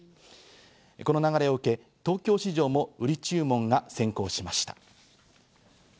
この流れを受け、東京市場も売り注文が先行しました。